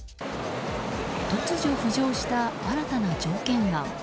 突如浮上した新たな条件案。